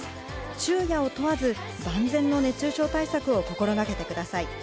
昼夜を問わず万全の熱中症対策を心がけてください。